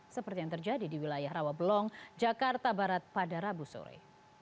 seperti yang terjadi di wilayah rawabelong jakarta barat pada rabu sore